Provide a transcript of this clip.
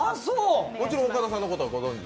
もちろん岡田さんのことはご存じ？